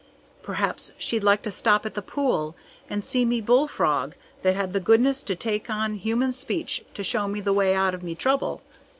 Perhaps she'd like to stop at the pool and see me bullfrog that had the goodness to take on human speech to show me the way out of me trouble.